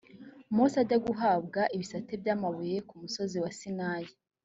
mose ajya guhabwa ibisate by’amabuye ku musozi wa sinayi